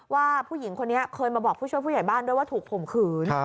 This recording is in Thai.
ว่าผู้หญิงคนนี้เคยมาบอกผู้ช่วยผู้ใหญ่บ้านด้วยว่าถูกข่มขืน